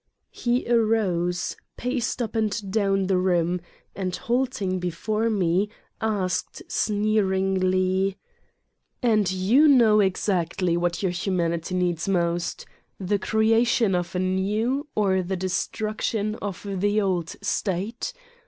He arose, paced up and down the room, and halting before me asked sneeringly : "And you know exactly what your humanity needs most : the creation of a new or the destruc tion of the old state?